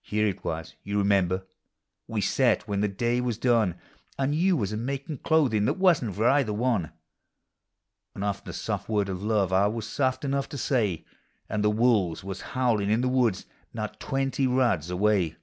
Here it was, you remember, we sat when the day was done. And you was a makin' clothing that teuton t for cither one; And often a soft word of love I was soft enough to say, And the wolves was howlin' in the woods not twenty rods away.